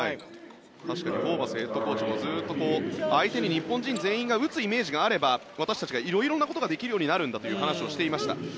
確かにホーバスヘッドコーチもずっと相手に日本人全員が打つイメージがあれば私たちが色々できるようになることがあるんだという話をしていました。